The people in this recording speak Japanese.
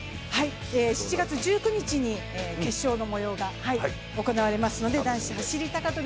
７月１９日に決勝のもようが見れますので、男子走高跳